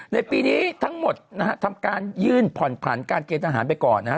ในปีนี้ทั้งหมดนะฮะทำการยื่นผ่อนผันการเกณฑ์ทหารไปก่อนนะฮะ